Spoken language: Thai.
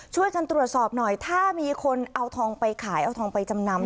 ช่วยกันตรวจสอบหน่อยถ้ามีคนเอาทองไปขายเอาทองไปจำนำ